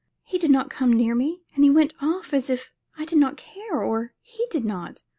He did not come near me, but went off as if I did not care or he did not.